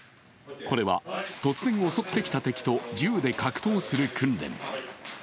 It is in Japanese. これは突然襲ってきた敵と銃で格闘する訓練。